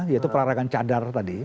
yaitu pelarangan cadar tadi